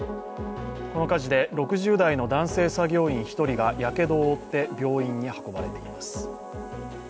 この火事で６０代の男性作業員１人がやけどを負って病院に運ばれています。